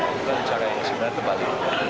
itu cara yang sebenarnya terbalik